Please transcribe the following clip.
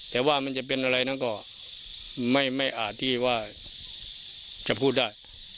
แต่ว่ามันจะเป็นอะไรนั้นก็ไม่อาจที่ว่าจะพูดได้